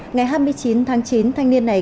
ngày hai mươi chín tháng chín thanh niên này